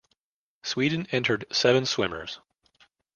Sweden entered seven swimmers.